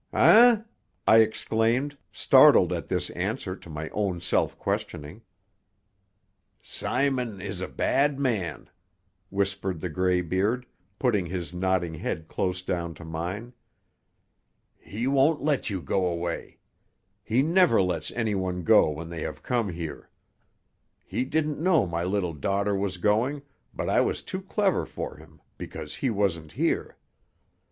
"Eh?" I exclaimed, startled at this answer to my own self questioning. "Simon is a bad man," whispered the greybeard, putting his nodding head close down to mine. "He won't let you go away. He never lets anyone go when they have come here. He didn't know my little daughter was going, but I was too clever for him, because he wasn't here.